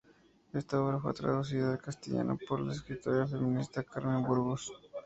Esta obra fue traducida al castellano por la escritora feminista Carmen de Burgos.